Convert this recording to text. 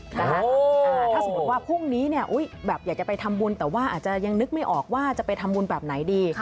ถ้าสมมุติว่าพรุ่งนี้แบบอยากจะไปทำบุญแต่ว่าอาจจะยังนึกไม่ออกว่าจะไปทำบุญแบบไหนดี